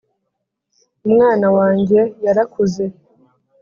umwana wanjye yarakuze.